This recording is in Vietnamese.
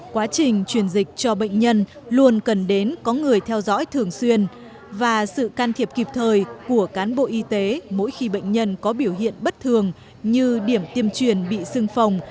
quá trình truyền dịch cho bệnh nhân luôn cần đến có người theo dõi thường xuyên và sự can thiệp kịp thời của cán bộ y tế mỗi khi bệnh nhân có biểu hiện bất thường như điểm tiêm truyền bị xương phòng